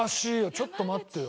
ちょっと待ってよ。